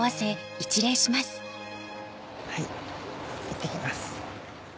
はいいってきます。